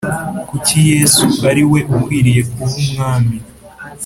Kuki Yesu ari we ukwiriye kuba Umwami?